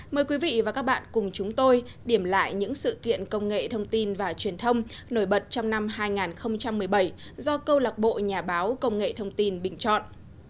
mời quý vị và các bạn cùng chúng tôi điểm lại những sự kiện công nghệ thông tin và truyền thông nổi bật trong năm hai nghìn một mươi bảy do câu lạc bộ nhà báo công nghệ thông tin bình chọn